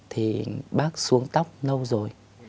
thì bác xuống tóc lâu rồi